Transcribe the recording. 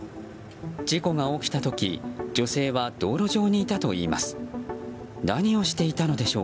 事故が起きた時、女性は道路上にいたといいます。